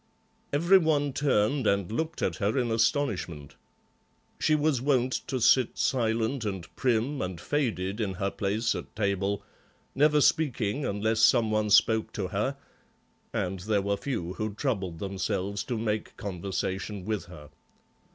Every one turned and looked at her in astonishment. She was wont to sit silent and prim and faded in her place at table, never speaking unless some one spoke to her, and there were few who troubled themselves to make conversation with her.